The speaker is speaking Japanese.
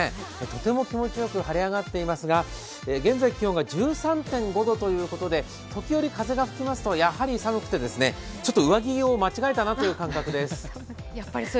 とても気持ちよく晴れ上がっていますが、現在、気温が１３．５度ということで時折風が吹きますと、やはり寒くて、ちょっと上着を間違えたなという感覚です。